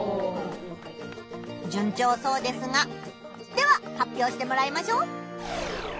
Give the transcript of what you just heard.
じゅん調そうですがでは発表してもらいましょう！